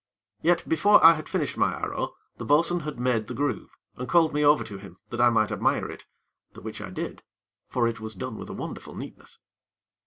Yet, before I had finished my arrow, the bo'sun had made the groove, and called me over to him, that I might admire it, the which I did; for it was done with a wonderful neatness.